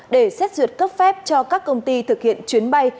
để xét duyệt cấp phép cho các công ty thực hiện chuyến bay